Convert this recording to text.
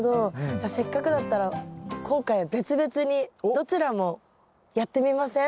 じゃあせっかくだったら今回は別々にどちらもやってみません？